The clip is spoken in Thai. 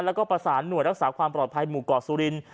แล้วก็ประสานหน่วยรักษาความปลอดภัยหมู่เกาะสุรินทร์